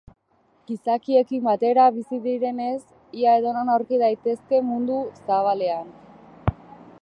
Gizakiekin batera bizi direnez, ia edonon aurki daitezke mundu zabalean.